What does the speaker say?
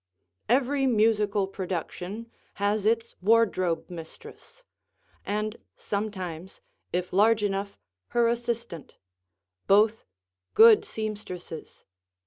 Every musical production has its wardrobe mistress, and sometimes, if large enough, her assistant, both good seamstresses.